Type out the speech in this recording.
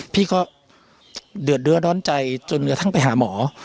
พี่ก็เดือดเนื้อร้อนใจจนกระทั่งไปหาหมอ